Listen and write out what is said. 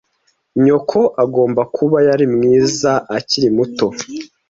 Nyoko agomba kuba yari mwiza akiri muto.